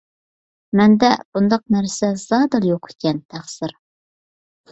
مەندە بۇنداق نەرسە زادىلا يوق ئىكەن، تەقسىر.